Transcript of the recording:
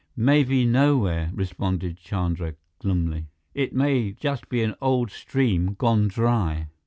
"Maybe nowhere," responded Chandra glumly. "It may just be an old stream gone dry."